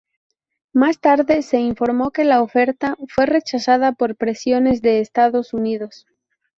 Más tarde se informó que la oferta fue rechazada por presiones de Estados Unidos.